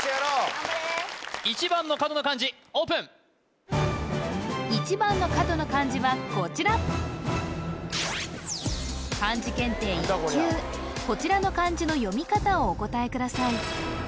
頑張れ１番の角の漢字オープン１番の角の漢字はこちら漢字検定１級こちらの漢字の読み方をお答えください